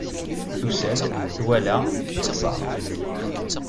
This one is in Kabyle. Tusa-d, twala, texṣer.